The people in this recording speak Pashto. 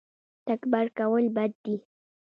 تکبر کول بد دي